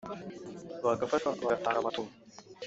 bagafashwa bagatanga amaturo